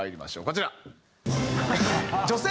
こちら。